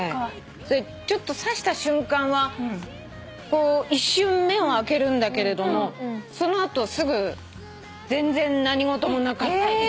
ちょっと刺した瞬間は一瞬目を開けるんだけれどもその後すぐ全然何ごともなかったように。